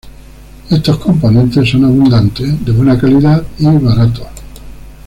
Estos componentes son abundantes, de buena calidad y baratos.